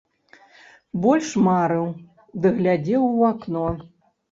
Больш марыў ды глядзеў у акно.